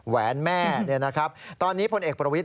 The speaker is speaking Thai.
แหวนแม่เนี่ยนะครับตอนนี้ผลเอกประวิทย์